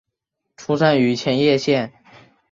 出身于千叶县。